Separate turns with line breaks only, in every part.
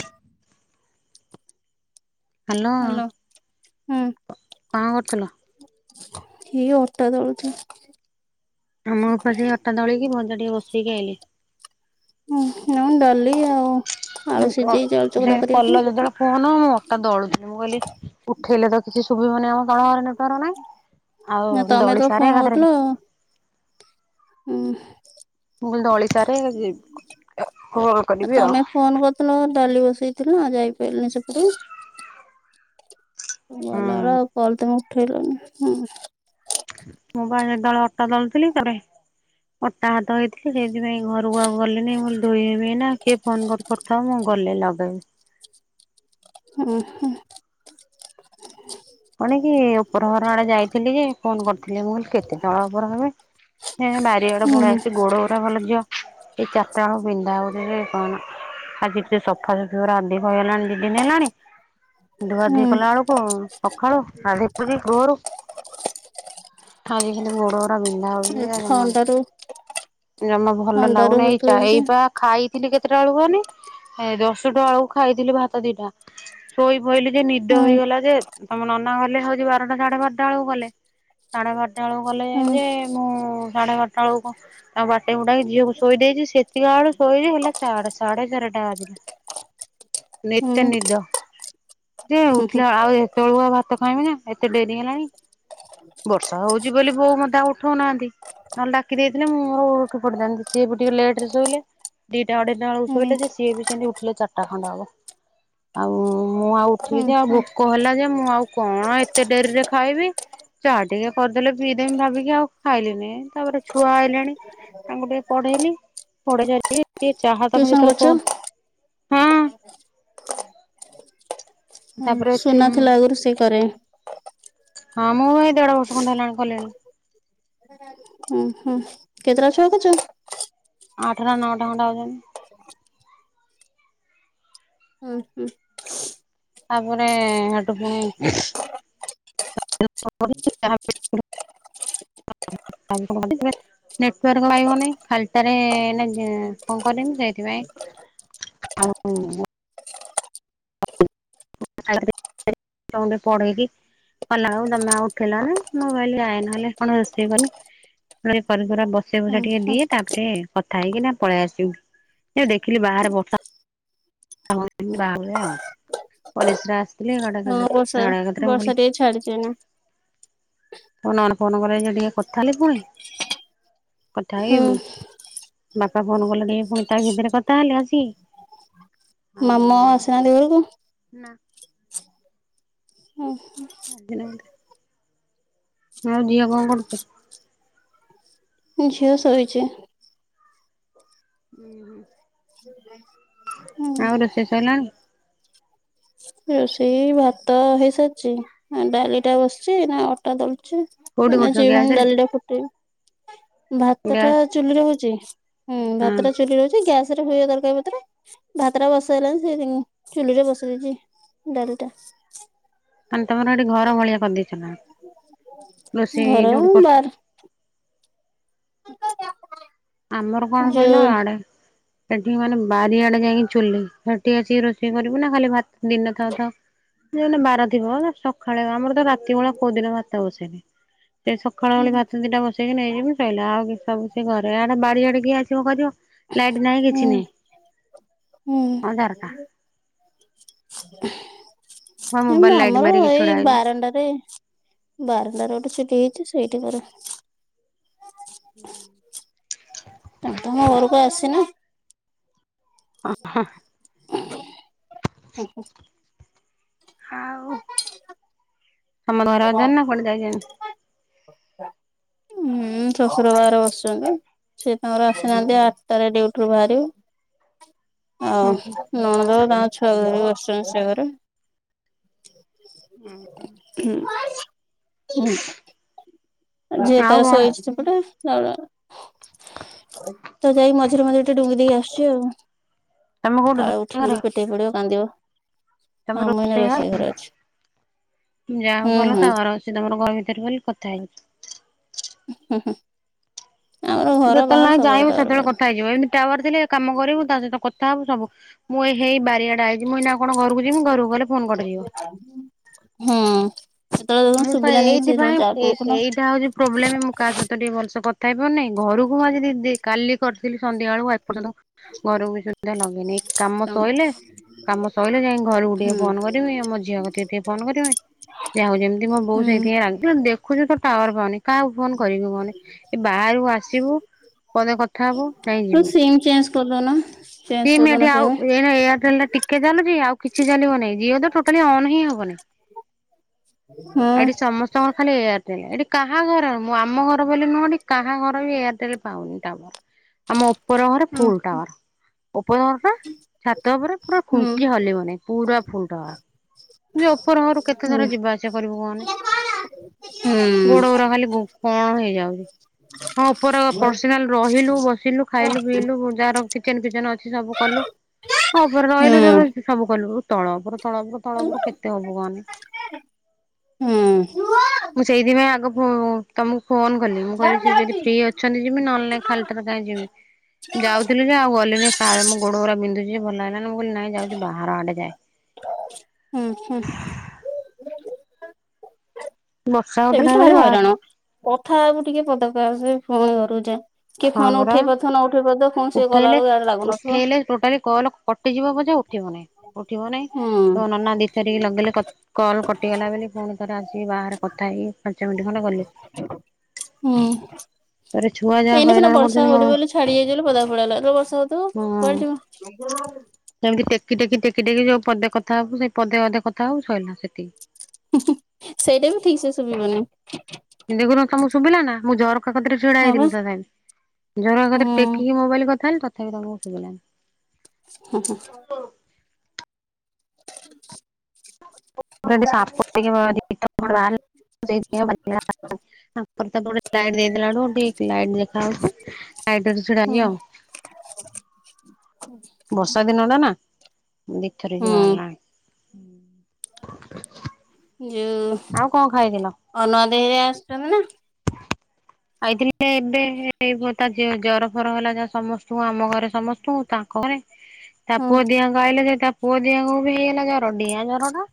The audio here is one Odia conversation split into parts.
ହ ହ୍ୟାଲୋ, ହୁଁ।
କଣ କରୁଥିଲ?
ହେଇ ଅଟା ଦଳୁଛି।
ଆମ ପା ସେଇ ଅଟା ଦଳିକି ଭଜା ଟିକେ ବସେଇକି ଆଇିଲି।
ହୁଁ ଆଉ ଡ଼ାଲି ଆଉ ଆଳୁ ସିଝେଇକି ଆଳୁ
ସେ
ଚକଟା କରିବା
କଲ
ପାଇଁ
ଯେତେବେଳେ ଫୋନ ମୁଁ ଅଟା ଦଳୁଥିଲି ମୁଁ କହିଲି ଉଠେଇଲେ ତ କିଛି ଶୁଭିବନି ଆମ ତଳ ଘରେ ନେଟୱର୍କ ନାହିଁ
ନା
ଆଉ
ତମେ
ଦଳି
ଯେତେବେଳେ ଫୋନ
ସାରେ
କରିଥିଲ
ଏକାଥରକେ
ହୁଁ।
ମୁଁ କହିଲି ଦଳି ସାରେ କଲ କରିବି ଆଉ।
ତମେ ଫୋନ ଡାଲି ବସେଇଥିଲା ଆଉ ଯାଇପାରିଲିନି ସେପଟରୁ। କଲା
ହୁଁ
ବେଳ ଆଉ କଲ ତମେ ଉଠେଇଲନି, ହୁଁ।
ମୁଁ ବା ଯେତେବେଳେ ଅଟା ଦଳୁଥିଲି ତାପରେ, ଅଟା ଅଟା ହାତ ହେଇଥିଲି ସେଇଥିପାଇଁ ଘରକୁ ଆଉ ଗଲେନି ମୁଁ କହିଲି ଧୋଇ ହେବି ଏଇନା, କିଏ ଫୋନ କରି କରିଥାଉ ମୁଁ ଗଲେ ଲଗେଇବି।
ହଁ ହ।
କଣ କି ଉପରହର ଆଡେ ଯାଇଥିଲି ଯେ ଫୋନ କରିଥିଲି ମୁଁ କହିଲି କେତେ ତଳ ଉପର ହେବେ। ହେଁ ବାରିଆଡେ ବୁଣ
ହୁଁ
ଆଛି ଗୋଡ ଗୁଡା ଭଲ ଯ, ସେଇ ଚାରଟା ବଳୁ ବିନ୍ଧା ହଉଛି କି କଣ ଆଜି ସେ ସଫା ସୁଫି ଗୁଡ଼ା ଅଧିକ ହେଇଗଲାଣି ଦିଇ ଦିନ ହେଲାଣି,
ହୁଁ
ଧୁଆଧୁଇ କଲା ବେଳକୁ ହ ସଖାଳୁ ଗାଧେଇ ପଡ଼ି ଭୋରୁ, ଖାଜି ଖାଲି ଗୋଡ ବିନ୍ଧା ହଉଛି
ଏ
ଯେ ଜମା,
ଥଣ୍ଡାରୁ
ଜମା ଭଲ
ଥଣ୍ଡାରୁ
ଲାଗୁନି ଏ
ହଉଥିବ
ଚା
ଏମିତି
ଏଇ ପା ଖାଇଥିଲି କେତେଟା ବେଳକୁ କୁହନି, ମାନେ ଦଶଟା ବେଳକୁ ଖାଇଥିଲି ଭାତ ଦିଟା। ଶୋଇ ପଇଲି ଯେ ନିଦ
ହୁଁ।
ହେଇଗଲା ଯେ ତମ ନନା ଗଲେ ହଉଛି ବାରଟା ସାଢେ ବାରଟା ବେଳକୁ ଗଲେ। ସାଢ଼େ ବାରଟା ବେଳକୁ ଗଲେ
ହୁଁ
ଭାରି ଯେ, ମୁଁ ସାଢ଼େ ବାରଟା ବେଳକୁ ଆଉ ବାଟ ଗୁଡାକି ଝିଅକୁ ଶୋଇ ଦେଇଛି, ସେତିକି ବଳୁ ଶୋଇ ହେଲା ସାଢେ ସାଢେ ଚାରିଟା ବାଜିଲା।
ହୁଁ
ଏତେ ନିଦ, ଯେ ଉଠିଲା ଆଉ ଏତେ ବେଳକୁ ଆଉ ଭାତ ଖାଇବି ନା, ଏତେ ଡେରି ହେଲାଣି। ବର୍ଷା ହଉଛି ବୋଲି ବୋଉ ମତେ ଆଉ ଉଠଉନାହାନ୍ତି, ନହେଲେ ଡାକି ଦେଇଥିଲେ ମୁଁ ମୋ ଉଠି ପଡିଥାନ୍ତି ସିଏ ବି ଟିକେ ଲେଟ ରେ ଶୋଇଲେ। ଦିଟା ଅଢେଇଟା ବେଳକୁ
ହୁଁ
ଶୋଇଲେ ଯେ ସିଏ ବି ସେମିତି ଉଠିଲେ ଚାରିଟା ଖଣ୍ଡେ ହବ। ଆଉ ମୁଁ ଆଉ
ହୁଁ
ଉଠିକି ଆଉ
ହୁଁ
ଭୋକ ହେଲା ଯେ ମୁଁ ଆଉ କଣ ଏତେ ଡେରିରେ ଖାଇବି। ଚାହା ଟିକେ କରିଦେଲେ ପିଇଦେମି ଭାବିକି ଆଉ ଖାଇଲିନି ତାପରେ ଛୁଆ ଆଇଲେଣି। ତାଙ୍କୁ ଟିକେ ପଢେଇଲି, ପଢେଇି ସାରିକି ଟିକେ ଚାହା ତାଙ୍କୁ
ଟିଉସନ
ଯେତେବେଳେ
କରୁଛ?
ଫୋ
ହଁ
ତାପରେ ଅଛି
ସୁନାଥିଲା ଆଗରୁ ସେ କରେ।
ହଁ ମୁଁ ଏଇ ଦେଢ ବର୍ଷ ଖଣ୍ଡେ ହେଲାଣି କଲିଣି।
ହଁ ଓ ହୋଁ, କେତେଟା ଛୁଆ କରଛ?
ଆଠ ନା ନଅଟା ଖଣ୍ଡେ ହଉଛନ୍ତି।
ହଁ ହୁଁ।
ତାପରେ ହେଠୁ ପୁଣି [unintelligible] ନେଟୱାର୍କ ଆଇବନି। ଖାଲିଟାରେ କଣ କରିମି ସେଥିପାଇଁ [unintelligible] ପଢ଼େଇକି କଲା ବେଳକୁ ତମେ ଆଉ ଉଠେଇଲନି। ମୁଁ କହିଲି ଯାଏ ନହେଲେ କଣ ରୋଷେଇ କରିମି? ନ ହେଲେ କରି କୁରା ବସେଇ
ହୁଁ
ବୁସା ଟିକିଏ
ହୁଁ
ଦିଏ। ତାପରେ କଥା ହେଇକି ନା ପଳେଇ ଆସିବୁ। ଏ ଦେଖିଲି ବାହାରେ ବର୍ଷା [unintelligible]
ଏଇ ଛାଡିଛି ଚିନା।
[unintelligible] କଥା
ହୁଁ
ହେଇବୁ ବାପା ଫୋନ କଲେ ଟିକେ ପୁଣି ତା ଭିତରେ କଥା ହେଲେ ଆସିକି। ଆଉ
ମାମା ଆସିନାହାନ୍ତି ଘରକୁ?
ନା।
ଓହୋ।
ରାଗିଲେ ବୋଧେ। ଆଉ ଝିଅ କଣ କରୁଛି?
ଝିଅ ଶୋଇଛି।
ଉଁ।
ଷ୍ଟୁଡେଣ୍ଟସ୍।
ଆଉ ରୋଷେଇ ସଇଲାଣି।
ରୋଷେଇ ଭାତ ହେଇସାରିଛି। ଡାଲି ଟା ବସିଛି ଏଇନା ଅଟା ଦଳୁଛି।
କୋଉଠି
ଏଇନା
କରୁଛ
ଯିବି
ଗ୍ୟାସ
ଫୁଣି
ରେ
ଡାଲିଟା ଫୁଟେଇବି। ଭାତ ଟା
ଗ୍ୟାସ୍
ଚୁଲିରେ ହଉଛି। ହୁଁ
ହଁ
ଭାତ ଟା ଚୁଲି ହଉଛି ଗ୍ୟାସରେ ହୁଏ ଦରକାର କେ ଭିତରେ ଭାତ ଟା ବସେ ହେଲାଣି ସେ ଚୁଲି ରେ ବସେଇ ଦେଇଛି ଡାଲି ଟା।
ତାହେନେ ତମର ସେଇଠି ଘର ଭଳିଆ କରି ଦେଇଚନା। ରୋଷେଇ
ଘର
ଯୋଉଠି କରୁଛ।
ବାର
ଆମର କଣ
ଯୋଉ
କହିଲ ଆଡେ। ସେଠି କଣ ମାନେ ବାରିଆଡେ ଯାଇକି ଚୁଲ୍ଲୀ ସେଠି ଆସିକି ରୋଷେଇ କରିବୁ ନା ଖାଲି ଭାତ ଦିନ ଥାଉ ଥାଉ ଯୋଉଦିନ ବାର ଥିବ ସକାଳେ ଆମର ତ ରାତି ବେଳେ କୋଉ ଦିନ ଭାତ ବସେଇନି। ସେ ସକାଳ ଓଳି
ହୁଁ
ଭାତ ଦିଟା ବସେଇକି ନେଇଯିବି ସଇଲା। ଆଉ ସବୁ ସେ ଘରେ ଆଉ ବାଡିଆଡେ କିଏ ଆସିବ କରିବ। ଲାଇଟ୍ ନାହିଁ କିଛି ନାହିଁ ଅନ୍ଧାର। ଟା ମୋ ମୋବାଇଲ
ଯେମିତି
ଲାଇଟ୍
ଆମର
ମାରିକି ଛିଡା
ଏଇ
ହେଇଛି
ବାରଣ୍ଡାରେ। ବାରଣ୍ଡାରେ ଗୋଟେ ଛୁଟି ହେଇଛି ସେଇଠି କରେ।
ହୁଁ।
ତୁମ ଘରକୁ ଆସିନା?
[unintelligible]
ହୁଁ ହୁଁ।
ହାଉ। ସେମାନେ ଘରରେ ଅଛନ୍ତି ନା କୁଆଡେ ଯାଇଛନ୍ତି।
ଉଁ ଶଶୁର ବାହାରେ ବସିଛନ୍ତି। ସେ ତାଙ୍କର ଆସିନାହାନ୍ତି ଆଠଟାରେ ଡିଉଟିରୁୁ ବାହାରିବେ। ଆଉ ନଣନ୍ଦ ତାଙ୍କ ଛୁଆକୁ ଧରିକି ବସିଛନ୍ତି ସେ ଘରେ।
ହୁଁ।
ହୁଁ ହୁଁ ଝିଅ
ଆଉ
ତାର
କଣ
ଶୋଇଛି ସେପଟେ। ଯାଉନ ତ ଯାଇ ମଝିରେ ମଝିରେ ଟିକେ ଡୁଙ୍ଗି ଦେଇକି ଆସୁଛି ଆଉ।
ତମେ କୋଉଠି
କାଳେ ଉଠି
ରୋଷେଇ ଘରେ
ପଡି ପେଟେଇ ପଡିବ କାନ୍ଦିବ। ହଁ ମୁଁ ଏଇନା ରୋଷେଇ ଘରେ ଅଛି।
ଯାହା ହଉ
ହୁଁ
ଭଲ
ହୁଁ
ଟାୱାର ଅଛି ତମର ଘର ଭିତରେ ବୋଲି କଥା ହେଇଯାଉଛ।
ହୁଁ ହୁଁ। ଆମର ଘର
ଯେତେବେଳେ
ବାହାର
ନାଇଁ
ସବୁଆଡେ
ଜାଇଁବୁ
ଟାୱାର
ସେତବେଳେ
ପାଉଛି
କଥାହୋଇଯିବ ଏମିତି ଟାୱାର ଥିଲେ କାମ କରିବୁ ତା ସହିତ କଥା ହବ ସବୁ। ମୁଁ ଏଇ ହେଇ ବାରିଆଡେ ଆଇଛି ମୁଁ ଏଇନା କଣ ଘରକୁ ଯିବି ଘରକୁ ଗଲେ ଫୋନ କଟିଯିବ।
ହୁଁ ସେତେବେଳେ ଦେଖୁନୁ ଶୁବିଲାନି କିଛି ସେତେବେଳେ ଚା ପିଉଥୁନୁ।
ଯହା ହଉଛି ପ୍ରୋବ୍ଲେମ୍ ମୁଁ କାହା ସହିତ ଟିକେ ଭଲସେ କଥା ହେଇପାରୁନି, ଘରକୁ ମୁଁ ଆଜି ଯିବି, କାଲି କରିଥିଲି ସନ୍ଧ୍ୟାବେଳକୁ ଏପର୍ଯ୍ୟନ୍ତ ଘରକୁ ବି ସୁଧା ଲଗେଇନି, ଏଇ କାମ ସଇଲେ କାମ ସଇଲେ ଯାଇକି ଘରକୁ ଟିକେ
ହୁଁ
ଫୋନ କରିବି, ମୋ ଝିଅ କତିକି ଟିକେ ଫୋନ କରିବି, ଯାହା ହେଉ ଯେମି ତି ମା ବୋଉ
ହୁଁ
ସାଙ୍ଗରେ ଟିକେ [unintelligible] ଦେଖୁଛୁ ତ ଟାୱାର ପାଉନି, କାହାକୁ ଫୋନ କରିବୁ କହନି, ଏ ବାହାରକୁ ଆସିବୁ ପଦେ କଥା ହବୁ? ଯାଇଁ
ଉଁ
ଯିବୁ।
ସିମ୍ ଚେଞ୍ଜ କରିଦଉନ।
ସିମ୍ ଏଠି ଆଉ ଏଣେ ଏୟାରଟେଲ ଟା ଟିକେ ଚାଲୁଛି, ଆଉ କିଛି ଚାଲିବ ନାହିଁ। ଜିଓ ତ ଟୋଟାଲି ଅନ୍ ହିଁ ହବନି। ଏଠି ସମସ୍ତଙ୍କର ଖାଲି ଏଆର୍ ଟେଲ ଏଠି କାହା ଘର ମୁଁ ଆମ ଘର ବୋଲି ନୁହଁ, ଏଠି କାହା ଘର ବି ଏୟାରଟେଲ ପାଉନି ଟାୱାର। ଆମ ଉପର ଘରେ ଫୁଲ୍ ଟାୱାର। ଉପର ଘର ପା, ଛାତ ଉପରେ ପୁରା ଖୁଣ୍ଟି ହଲିବନି, ପୁରା ଫୁଲ୍ ଟାୱାର। ଯୋଉ ଉପର ଘରୁ କେତେ ଥର ଯିବା ଆସିବା କରିବୁ କହନି, ଗୋଡ ଗୁରା ଖାଲି କଣ ହେଇଯାଉଛି। ହଁ ଉପରେ ପର୍ସନାଲ ରହିଲୁ, ବସିଲୁ, ଖାଇଲୁ, ପିଇଲୁ ଯାହାର କିଚେନ ଫିଚେନ ଅ ସବୁ କଲୁ, ହଁ ଉପରେ ରହିଲୁ ସେ ସବୁ କଲୁ। ତଳ ଉପର ତଳ ଉପର ତଳ ଉପର କେତେ ହବୁ କହନି? ମୁଁ ସେଇଥିପାଇଁ ଆଗ ଫୋ ତମକୁ ଫୋନ କଲି, ମୁଁ କହିଲି ସେ ଯଦି ଫ୍ରି ଅ ଛନ୍ତି ଯିମି ନ ହେଲେ ନାହିଁ ଖାଲିଟାରେ କାହିଁ ଯିମି, ଯାଉଥିଲି ଯେ ଆଉ ଗଲିନି। ସା ମୁଁ ଗୋଡ ଗୁରା ବିନ୍ଧୁଛି ଭଲ ଲାଗିଲାନି, ମୁଁ କହିଲି ନାଇଁ ଯାଉଛି ବାହାର ଆଡେ ଯାଏ।
ହୁଁ ହୁଁ।
ବର୍ଷା ହଉଥିଲା
ଏମିତି ତ
ବୋଲି
ଭାରି
ବା
ହଇରାଣ। କଥା ହବୁ ଟିକେ ପଦାକୁ ଆସେ ଫୁଣି ଘରକୁ ଯା। କିଏ
ହଁ
ଫୋନ
ପରା।
ଉଠେଇ ପାରୁଥିବ ନ ଉଠେଇ ପାରୁଥିବ ଫୁଣି ସେ
ଉଠେଇଲେ
ଗଲାବେଳକୁ ଇଆଡେ ଲାଗୁନଥିବ।
ଉଠେଇଲେ ଟୋଟାଲି କଲ୍ କଟିଯିବ ପଛେ ଉଠିବ ନାଇଁ ଉଠିବ ନାଇଁ,
ହୁଁ
ତ ନନା ଦି ଚାରି ଲଗେଇଲେ କ କଲ କଟିଗଲା ବେଲି ପୁଣି ଥର ଆସିକି ବାହାରେ କଥା ହେଇକି ପାଞ୍ଚ ମିନିଟ ଖଣ୍ଡେ ଗଲି।
ହୁଁ।
ପରେ ଛୁଆ ଯା
ଏଇନେ ସିନା ବର୍ଷା ହଉଛି ବୋଲି ଛାଡି ହେଇଛି ବୋଲି ପଦାକୁ ପଳେଇ ଆଇଲ, ଯେତେବେଳେ ବର୍ଷା ହଉଥିବ କୁଆଡେ ଯିବ?
ଯେମିତି ଟେକି ଟେକି ଟେକି ଟେକି ଯୋଉ ପଦେ କଥା ହବୁ ସେଇ ପଦେ ଅଧେ କଥା ହବୁ ସଇଲା ସେତିକି।
ସେଇଟା ବି ଠିକ ସେ ଶୁଭିବ ନାହିଁ।
ଦେଖୁନ ତମକୁ ଶୁଭିଲା ନା? ମୁଁ ଝର କା କତରେ ଛିଡା
ହଁ ବା
ହେଇଥିଲି ତଥାପି, ଝରକା କତରେ
ହୁଁ
ଟେକିକି ମୋବାଇଲ କଥା ହେଲି ତଥାପି ତମକୁ ଶୁଭିଲାନି।
ହୁଁ ହୁଁ।
ପୁରା ଏଠି ସାପ [unintelligible] ବାହାରିଲା। [inaudible] ଟିକେ ଲାଇଟ୍ ଦେଖାଯାଉଛି। ଲାଇଟ୍ ରେ ତ ଛିଡା
ହୁଁ
ହେଲି ଆଉ ବର୍ଷା ଦିନ ଟା ନା, ଦି ଥର ହେଇକି
ହୁଁ
ବାହାରିଲାଣି।
ଯୋଉ
ଆଉ କଣ ଖାଇଥିଲ?
ଅନୁଆ ଦେଇ ହେରିକା ଆସୁଛନ୍ତି ନା
ଆଇଥିଲି ବେ ଏବେ ଏବେ ତା ଝିଅ ଜର ଫର ହେଲା ଯାହା ସମସ୍ତଙ୍କୁ, ଆମ ଘରେ ସମସ୍ତଙ୍କୁ, ତାଙ୍କ ଘରେ ତା
ହୁଁ
ପୁଅ ଝିଅଙ୍କୁ ଆଇଲେ ଯେ, ତା ପୁଅ ଝିଅଙ୍କୁ ବି ହେଇଗଲା ଜର, ଡିଆଁ ଜର ଟା।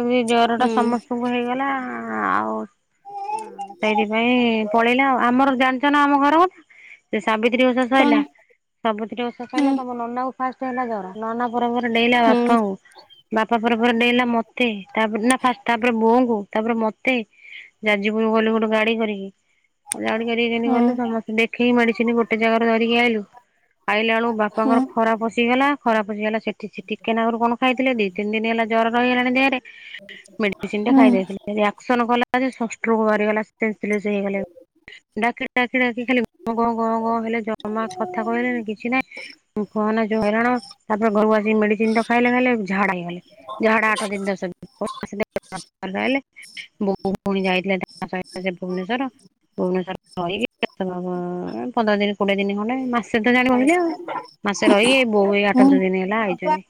ଏବେ ଜର ଟା
ହୁଁ।
ସମସ୍ତଙ୍କୁ ହେଇଗଲା। ଆଉ ହଁ ସେଇଥିପାଇଁ ପଳେଇଲା। ଆଉ ଆମର ଜାଣିଛ ନା ଆମ ଘର କଥା? ସେ ସାବିତ୍ରୀ ଓଷା ସଇଲା,
କଣ
ସାବିତ୍ରୀ ଓଷା
ହୁଁ
ସଇଲା ତମ ନନାକୁ ଫାଷ୍ଟ ହେଲା ଜର, ନନା ପରେ ପରେ ଡେଇଁଲା
ହୁଁ
ବାପାଙ୍କୁ ବାପା ପରେ ପରେ ଡେଇଁଲା ମତେ, ତାପରେ ନା ଫା ତାପରେ ବୋଉଙ୍କୁ, ତାପରେ ମତେ, ଯାଜପୁରକୁ ଗଲୁ ଗୋଟେ ଗାଡି କରିକି। ଗାଡି କରିକି ଯେମିତି
ହୁଁ
ଗଲୁ, ସମସ୍ତେ ଦେଖେଇକି ମେଡ଼ିସିନ ଗୋଟେ ଜାଗାରେ ଧରିକି ଆଇଲୁ। ଆଇଲା ବେଳୁକୁ
ହୁଁ
ବାପାଙ୍କର ଖରା ପଶିଗଲା ଖରାପ ପଶିଗଲା ସେଠି ସେ ଟିକେନାକରୁ କଣ ଖାଇଥିଲେ ଦୁି ତିନି ଦିନ ହେଲା ଜର ରଗଲାଣି ଦେହରେ
ହୁଁ।
ମେଡିସିନାଟା ଖାଇ ଦେଇଥିଲେ ରିଆକ୍ସନ ଗଲା ସେ ସନ୍ ଷ୍ଚ୍ରୋକ ବାହାରଗଲା ସେନ୍‌ସ୍ପଲେସ୍‌ ହେଇଗଲେ। ଡାକି ଡାକି ଡାକି ଖାଲିଁ ଗଁ ଗଁ ଗଁ ହେଲେ ଜମା କଥା କହିଲେ କିଛି ନହିଁ ଖହନା ଯୋଉ ହଇରାଣ ତାପରେ ଘରୁକୁ ଆସିକି ମେଡିସିନ ତ ଖାଇଲେ ଖାଇଲେ ହେଲେ ଝାଡା ହେଇଗଲେ। ଝାଡା ଆଠ ଦିନ ଦଶ ଦିନ। ଆଉ ଭଲ ହେଲେ ବୋଉ ପୁଣ ଯାଇଥିଲେ ତାଙ୍କ ସହିତ ସେ ଭୁବନେଶ୍ଵର। ଭୁବନେଶ୍ୱଵର ରେ ରହିକି ଉଁ ଉଁ ପନ୍ଦର ଦିନ କୋଡିଏ ଦିନ ଖଣ୍ଡେ ମାସ ସେ ତ ଜାଣି ରହିଲେ ଆଉ ମାସେ ରହି ବୋଉ ଏଇ
ହୁଁ।
ଆଠ ଦିନି ହେଲା ଆଇଚନ୍ତି।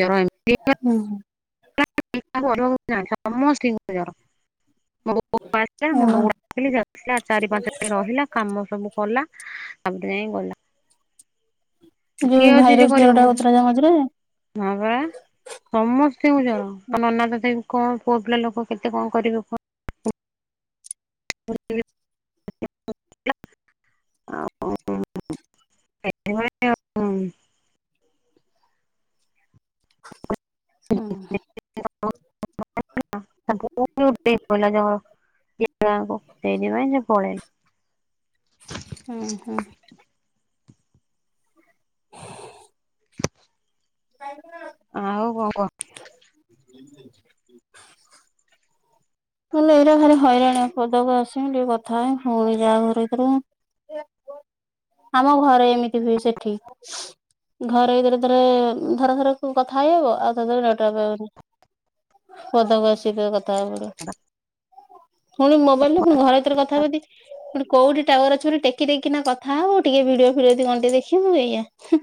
ଜର ହେଇନି।
ହୁଁ ହୁଁ।
କାହାକୁ ଅନୁଭବ ହଉଚିକି ନାହିଁ। ସମସ୍ତଙ୍କି ଜର। ମୋ ବୋଉ ଆସିଥିଲା ମୋ
ଏମା
ବୋଉକୁ ଅଟକେଇଲି ଯାଉଥିଲା ଚାରି ପାଞ୍ଚ ଦିନ ରହିଲା କାମ ସବୁ କଲା ତାପରେ ଯାଇଁ ଗଲା।
ସେ
କିଏ
ଯୋଉ
ଅଛି ଯେ
ଭାଇରସ
କରିବ
ଜର ଟା
ମୁଁ
ଯୋଉ ହଉଥିଲା ମଝିରେ ରେ
ହଁ ବା। ସମସ୍ତିଙ୍କୁ ଜର ତୋ ନନା ତ ସେଇକଣ ପୁଅ ପିଲା ଲୋକ କେତେ କଣ କରିବେ କୁହ। ହ [unintelligible] ଠୋଇ ଜ [unintelligible] ଯିବି ଗାଁଙ୍କୁ ସେଇଥି ପାଇଁ ସେ ପଳେଇଲେ।
ହୁଁ ହୁଁ। ଖାଇବ।
ଆଉ ଭୋଗ।
ହେଲେ ଏଇରା ଭାରି ହଇରାଣିଆ। ପଦାକୁ ଆସିମି ଟିକେ କଥା ହେମି ପୁଣି ଯାଆ ଘର ଭିତରକୁ। ଆମ ଘରେ ଏମିତି ହୁଏ ସେଠି। ଘରେ ଏଇଥିରେ ଥରେ ଥରେଥର କଥା ହେଇ ହବ ଆଉ ପଦାକୁ ଆସି କେବେ କଥା ହେଇପଡ଼େ। ପୁଣି ମୋବାଇଲରେ ପୁଣି ଘର ଭିତରେ କଥା ଟିକେ ପୁଣି କୋଉଠି ଟାୱର ଅଛି ବୋଲି ଟେକି ଟେକି କିନା କଥା ହ ବୁ ଟିକେ ଭିଡିଓ ଫିଡିଓ କଣ ଟିକେ ଦେଖିବ ଏଇଆ ହୁଁ।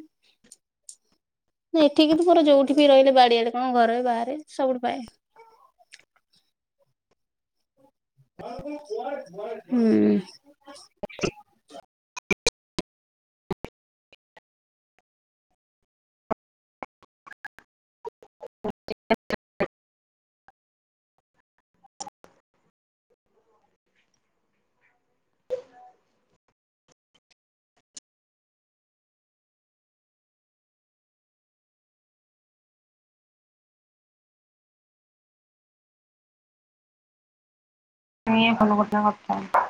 ନାଁ ଏଠିକିନ୍ତୁ ମୋର ଯୋଉଠି ବି ରହିଲେ ବାଡିଆରେ କଣ ଘରେ ବାହାରେ ସବୁଠୁ ପାଏ। ହୁଁ।
ହ [unintelligible] [unintelligible] [inaudible] ନେଇ ଭଲ ଘଟଣା ଘଥାଏ।